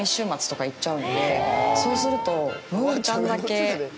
そうすると。